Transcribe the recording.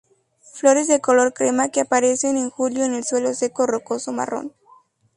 Flores de color crema, que aparecen en julio en el suelo seco rocoso marrón.